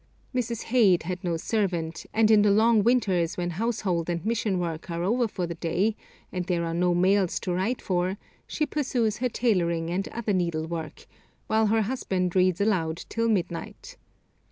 Mrs. Heyde had no servant, and in the long winters, when household and mission work are over for the day, and there are no mails to write for, she pursues her tailoring and other needlework, while her husband reads aloud till midnight.